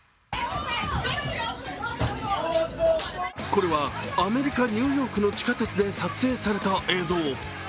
これはアメリカ・ニューヨークの地下鉄で撮影された映像。